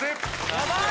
やばい！